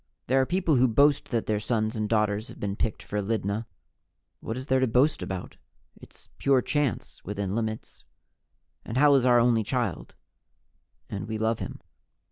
There are people who boast that their sons and daughters have been picked for Lydna. What is there to boast about? It's pure chance, within limits. And Hal is our only child and we love him.